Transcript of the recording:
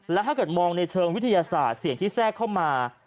และถ้าเกิดมองในเชิงวิทยาศาสตร์เสียงที่แทรกเข้ามา